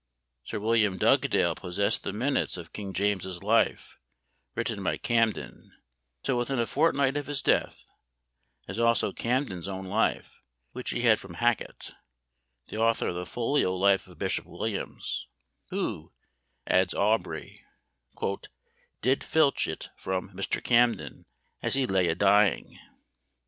Sir William Dugdale possessed the minutes of King James's life, written by Camden, till within a fortnight of his death; as also Camden's own life, which he had from Hacket, the author of the folio life of Bishop Williams: who, adds Aubrey, "did filch it from Mr. Camden, as he lay a dying!"